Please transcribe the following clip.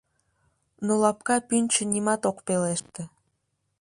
Но лапка пӱнчӧ нимат ок пелеште.